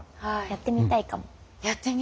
やってみたいです。